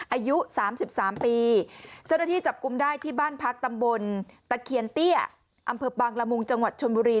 อายุ๓๓ปีเจ้าหน้าที่จับกุมได้ที่บ้านพักตำบลตะเคียนเตี้ยอำเภอบางละมุงจังหวัดชนบุรี